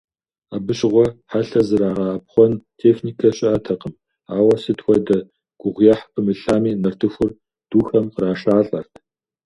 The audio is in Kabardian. Абы щыгъуэ хьэлъэ зэрагъэӏэпхъуэн техникэ щыӏэтэкъым, ауэ, сыт хуэдэ гугъуехь пымылъами, нартыхур духэм кърашалӏэрт.